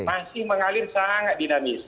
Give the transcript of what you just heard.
masih mengalir sangat dinamis